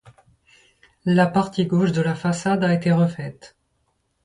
La partie gauche de la façade a été refaite.